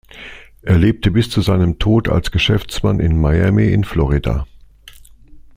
Er lebte bis zu seinem Tod als Geschäftsmann in Miami in Florida.